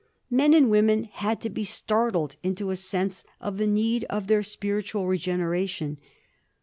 Men and women had to be startled into a sense of the need of their spiritual regenera tion.